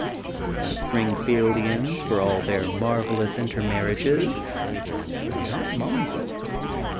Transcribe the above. <<And Springfieldians, for all their marvel ous intermarriages, are not mongrel.